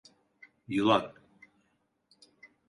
Yılan…